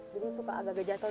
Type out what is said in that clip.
jadi suka agak agak jatuh